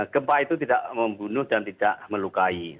gempa itu tidak membunuh dan tidak melukai